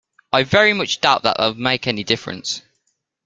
I very much doubt that that will make any difference.